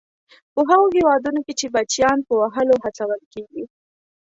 په هغو هېوادونو کې چې بچیان په وهلو هڅول کیږي.